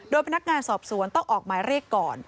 พนักงานสอบสวนต้องออกหมายเรียกก่อน